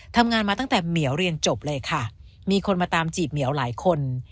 ทำงานมาตั้งแต่เหมียวเรียนจบเลยค่ะมีคนมาตามจีบเหมียวหลายคน